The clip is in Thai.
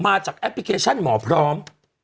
แอปพลิเคชันหมอพร้อม